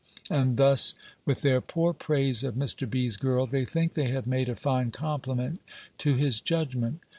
And thus with their poor praise of Mr. B.'s girl, they think they have made a fine compliment to his judgment.